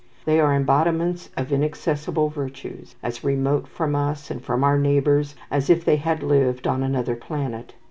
They are embodiments of inaccessible virtues, as remote from us and from our neighbours as if they had lived on another planet.